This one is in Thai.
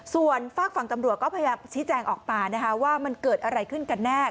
ส่วนฝากฝั่งตำรวจก็พยายามชี้แจงออกมานะคะว่ามันเกิดอะไรขึ้นกันแน่